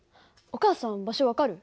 お母さん場所分かる？